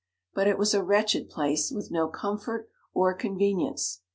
But it was a wretched place, with no comfort or convenience.